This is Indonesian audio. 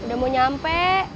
udah mau nyampe